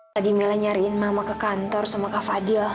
tadi mila nyariin mama ke kantor sama kak fadil